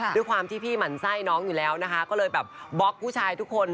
ด้วยความที่พี่หมั่นไส้น้องอยู่แล้วนะคะก็เลยแบบบล็อกผู้ชายทุกคน